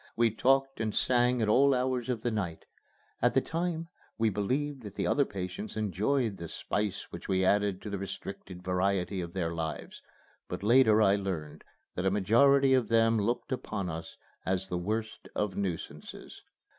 We talked and sang at all hours of the night. At the time we believed that the other patients enjoyed the spice which we added to the restricted variety of their lives, but later I learned that a majority of them looked upon us as the worst of nuisances.